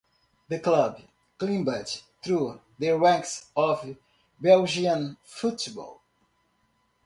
The club climbed through the ranks of Belgian football.